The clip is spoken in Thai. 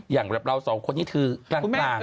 อย่างแบบเราสองคนนี้คือกลาง